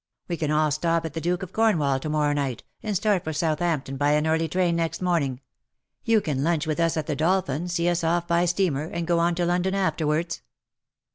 We can all stop at the ^ Duke of Cornwall' to morrow night, and start for Southampton by an early train next morning. You can lunch with us at the ^ Dolphin,' see us off by steamer, and go on to London afterwards."